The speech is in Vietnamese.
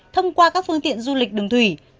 thông qua các phương tiện du lịch đường thủy